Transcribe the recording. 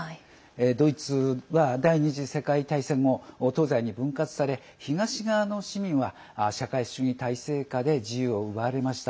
ドイツは第２次世界大戦後東西に分割され、東側の市民は社会主義体制下で自由を奪われました。